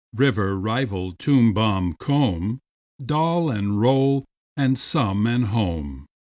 River, rival; tomb, bomb, comb; Doll and roll and some and home.